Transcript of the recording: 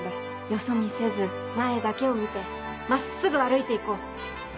よそ見せず前だけを見て真っすぐ歩いて行こう。